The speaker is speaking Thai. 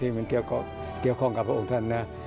ที่มันเกี่ยวของพระองค์ท่าน